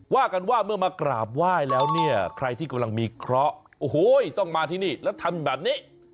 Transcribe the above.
ว่ากันว่าเมื่อมากราบไหว้แล้วเนี่ยใครที่กำลังมีเคราะห์โอ้โหต้องมาที่นี่แล้วทำแบบนี้